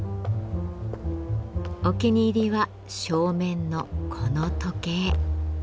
お気に入りは正面のこの時計。